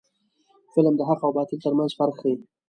فلم د حق او باطل ترمنځ فرق ښيي